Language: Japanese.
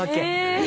え？